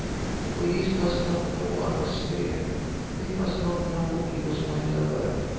The police must not know I was there. They must not know he was my lover.